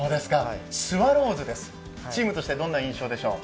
スワローズです、チームとしてどんな印象でしょう？